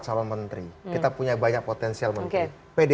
pada saat itu kita punya banyak potensial menteri